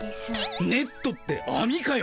ネットってあみかよ！